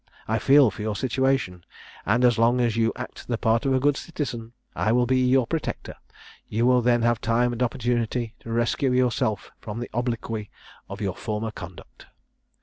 I feel for your situation; and as long as you act the part of a good citizen, I will be your protector: you will then have time and opportunity to rescue yourself from the obloquy of your former conduct.'